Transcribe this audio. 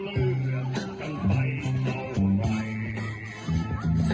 ลุกทุกขังที่เผื่อหวานตอบ